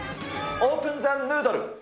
オープン・ザ・ヌードル。